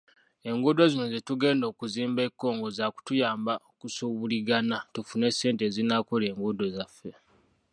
Enguudo zino ze tugenda okuzimba e Congo zaakutuyamba kusuubuligana tufune ssente ezinaakola enguudo zaffe.